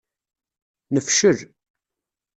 Nefcel.